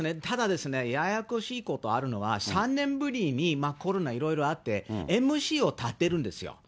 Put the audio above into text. ただですね、ややこしいとこあるのは、３年ぶりにコロナいろいろあって、ＭＣを立てるんですよ。